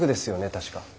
確か。